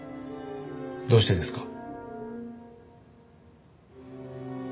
どうしてですか？